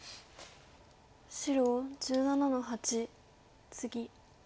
白１７の八ツギ。